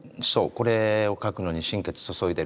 これを描くのに心血注いでるから。